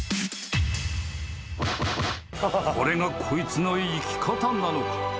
［これがこいつの生き方なのか？］